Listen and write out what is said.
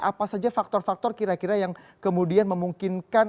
apa saja faktor faktor kira kira yang kemudian memungkinkan